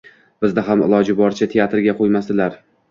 Bizni ham iloji boricha teatrga qo‘ymasdilar.